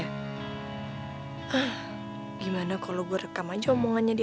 ah gimana kalo gue rekam aja omongannya di hp